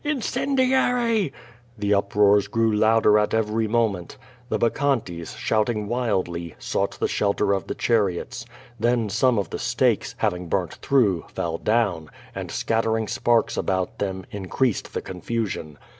incendiary!" The up roars grew louder at every moment. The bacchantes, shout ing wildly, sought the shelter of the chariots. Then some of the stakes, having burnt through, fell down, and, scattering sparks about them, increased the confusion.